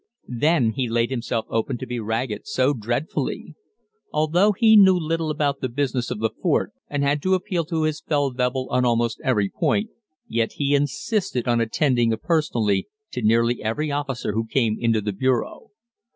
Then he laid himself open to be ragged so dreadfully. Although he knew little about the business of the fort and had to appeal to his Feldwebel on almost every point, yet he insisted on attending personally to nearly every officer who came into the bureau.